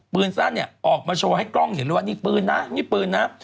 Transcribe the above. ปืนสั้นเนี่ยออกมาโชว์ให้กล้องเห็นเลยว่านี่ปืนนะนี่ปืนนะ